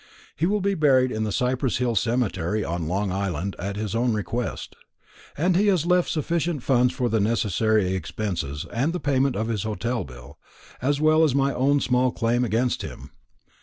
He will be buried in the Cypress hill Cemetery, on Long Island, at his own request; and he has left sufficient funds for the necessary expenses, and the payment of his hotel bill, as well as my own small claim against him.